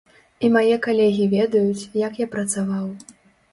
І мае калегі ведаюць, як я працаваў.